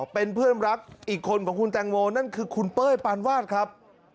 เป็นเพื่อนรักอีกคนของคุณแตงโมนั่นคือคุณเป้ยปานวาดครับ